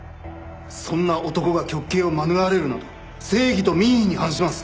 そんな男が極刑を免れるなど正義と民意に反します。